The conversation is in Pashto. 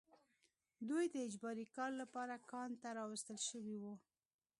دوی د اجباري کار لپاره کان ته راوستل شوي وو